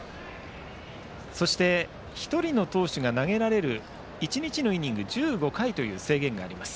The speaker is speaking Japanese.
そして、１人の投手が投げられる１日のイニング１５回という制限があります。